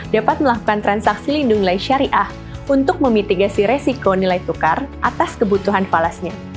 dapat melakukan transaksi lindung nilai syariah untuk memitigasi resiko nilai tukar atas kebutuhan palasnya